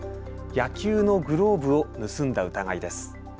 野球のグローブを盗んだ疑いです。